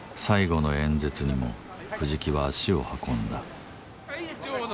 最後の演説にも藤木は足を運んだ。